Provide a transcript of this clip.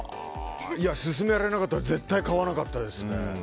薦められなかったら絶対買わなかったですね。